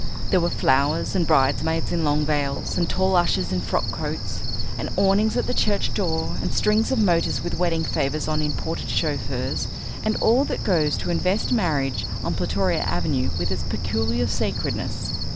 There were flowers, and bridesmaids in long veils, and tall ushers in frock coats, and awnings at the church door, and strings of motors with wedding favours on imported chauffeurs, and all that goes to invest marriage on Plutoria Avenue with its peculiar sacredness.